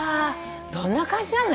どんな感じなの？